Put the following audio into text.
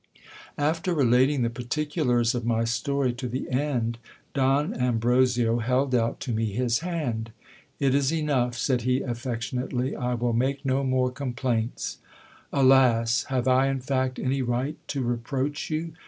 After relating the particulars of my story to the end, Don Ambrosio held out to me his hand. It is enough, said he affectionately, I will make no more complaints. Alas ! Have I in fact any right to reproach you